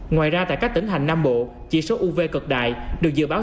ngoài ra tại các tỉnh hành nam bộ chỉ số uv cực đại được dự báo